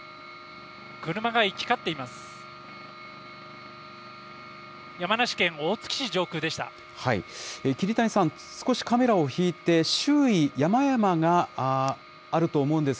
車が行き交っています。